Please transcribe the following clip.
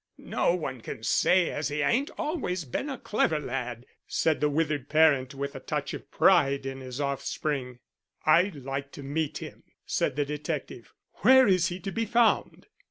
"No one can't say as he ain't always been a clever lad," said the withered parent, with a touch of pride in his offspring. "I'd like to meet him," said the detective; "Where is he to be found?"